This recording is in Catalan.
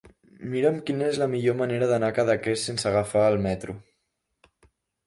Mira'm quina és la millor manera d'anar a Cadaqués sense agafar el metro.